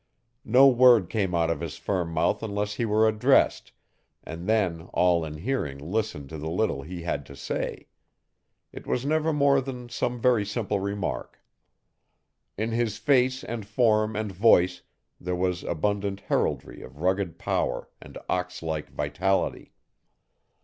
No word came out of his firm mouth unless he were addressed, and then all in hearing listened to the little he had to say: it was never more than some very simple remark. In his face and form and voice there was abundant heraldry of rugged power and ox like vitality.